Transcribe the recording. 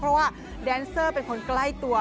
เพราะว่าแดนเซอร์เป็นคนใกล้ตัว